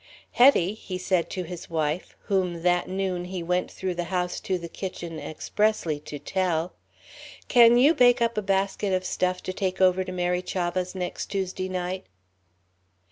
"Hetty," he said to his wife, whom that noon he went through the house to the kitchen expressly to tell, "can you bake up a basket of stuff to take over to Mary Chavah's next Tuesday night?"